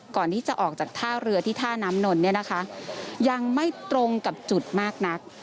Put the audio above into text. ก่อนที่จะออกจากท่าเรือที่ท่าน้ำนนเนี่ยนะคะยังไม่ตรงกับจุดมากนัก